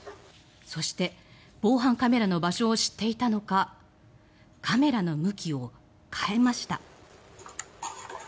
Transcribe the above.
そして、防犯カメラの場所を知っていたのかカメラの向きを変えました。